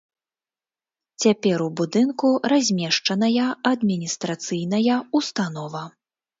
Цяпер у будынку размешчаная адміністрацыйная ўстанова.